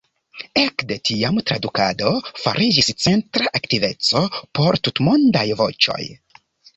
Ekde tiam tradukado fariĝis centra aktiveco por Tutmondaj Voĉoj.